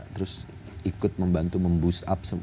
terus ikut membantu memboost up